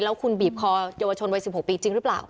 แล้วคุณบีบคอเยาวชนวัย๑๖ปีจริงหรือเปล่า